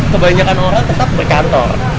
kebanyakan orang tetap berkantor